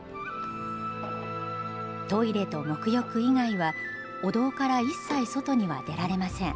トイレと、もく浴以外はお堂から一切外には出られません。